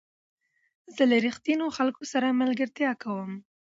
زه له رښتینو خلکو سره ملګرتیا کوم.